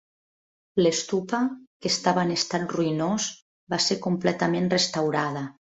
L'stupa, que estava en estat ruïnós, va ser completament restaurada.